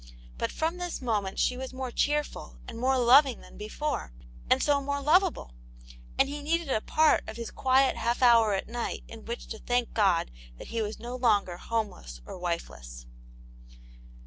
But from this moment she was more cheerful and more loving than before, and so more lovable, and he needed a part of his quiet half hour at night in which to thank God that he was no longer homeless or wifeless.